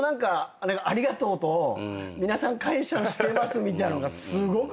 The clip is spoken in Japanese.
ありがとうと皆さん感謝してますみたいのがすごく伝わって。